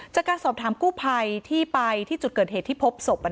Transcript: จากการสอบถามกู้ภัยที่ไปที่จุดเกิดเหตุที่พบศพ